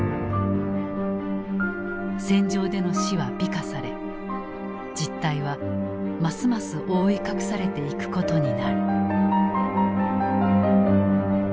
戦場での死は美化され実態はますます覆い隠されていくことになる。